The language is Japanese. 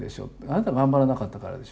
あなた頑張らなかったからでしょう。